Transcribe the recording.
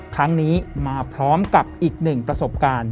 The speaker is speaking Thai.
ครั้งนี้มาพร้อมกับอีกหนึ่งประสบการณ์